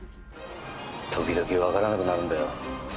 時々分からなくなるんだよ。